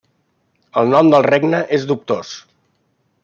El nom del regne és dubtós.